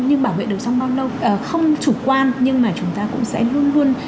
nhưng bảo vệ được trong bao lâu không chủ quan nhưng mà chúng ta cũng sẽ luôn luôn